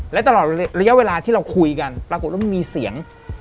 และตลอดระยะเวลาที่เราคุยกันปรากฏว่ามันมีเสียง